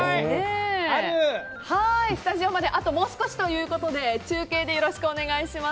スタジオまであともう少しということで中継でよろしくお願いします。